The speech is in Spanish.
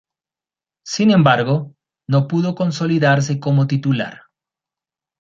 Sin embargo, no pudo consolidarse como titular.